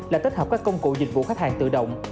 là tích hợp các công cụ dịch vụ khách hàng tự động